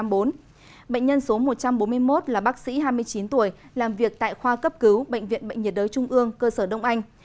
bệnh nhân số một trăm bốn mươi một là bác sĩ hai mươi chín tuổi làm việc tại khoa cấp cứu bệnh viện bệnh nhiệt đới trung ương cơ sở đông anh